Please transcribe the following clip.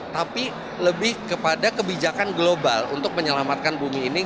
tapi karena kebijakan global untuk menyelamatkan bumi ini